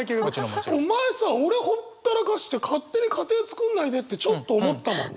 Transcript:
お前さ俺ほったらかして勝手に家庭作んないでってちょっと思ったもんね。